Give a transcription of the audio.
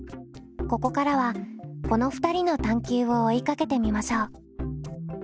ここからはこの２人の探究を追いかけてみましょう。